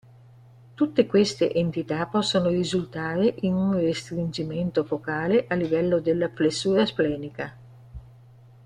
Tutte queste entità possono risultare in un restringimento focale a livello della flessura splenica.